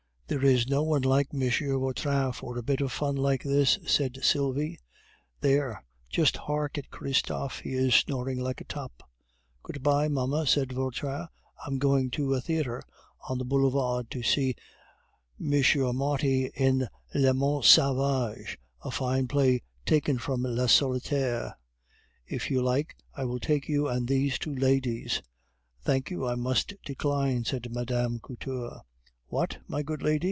"There is no one like M. Vautrin for a bit of fun like this," said Sylvie. "There, just hark at Christophe, he is snoring like a top." "Good bye, mamma," said Vautrin; "I am going to a theatre on the boulevard to see M. Marty in Le Mont Sauvage, a fine play taken from Le Solitaire.... If you like, I will take you and these two ladies " "Thank you; I must decline," said Mme. Couture. "What! my good lady!"